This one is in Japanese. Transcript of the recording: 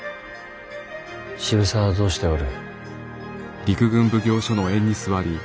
渋沢はどうしておる？